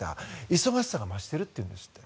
忙しさが増しているんですって。